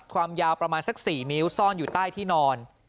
ความยาวประมาณสัก๔นิ้วซ่อนอยู่ใต้ที่นอน